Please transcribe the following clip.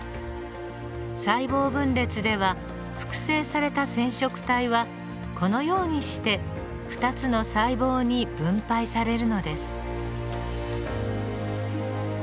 細胞分裂では複製された染色体はこのようにして２つの細胞に分配されるのです。